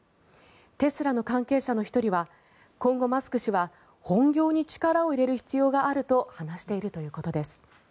テスラの関係者の１人は今後、マスク氏は本業に力を入れる必要があると話しているということです。